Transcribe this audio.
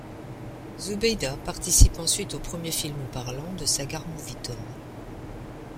Zubeida participe ensuite aux premiers films parlants de Sagar Movietone.